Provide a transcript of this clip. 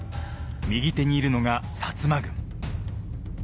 右手にいるのが摩軍。